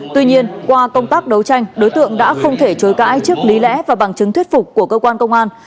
tuy nhiên qua công tác đấu tranh đối tượng đã không thể chối cãi trước lý lẽ và bằng chứng thuyết phục của cơ quan công an